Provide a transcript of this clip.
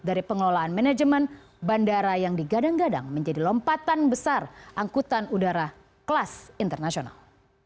dari pengelolaan manajemen bandara yang digadang gadang menjadi lompatan besar angkutan udara kelas internasional